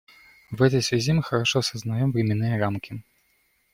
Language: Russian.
В этой связи мы хорошо сознаем временные рамки.